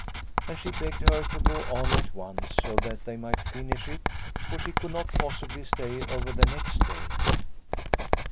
And she begged her to go on at once so that they might finish it, for she could not possibly stay over the next day.